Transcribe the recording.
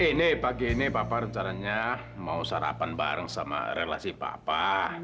ini pagi ini papa rencananya mau sarapan bareng sama relasi papa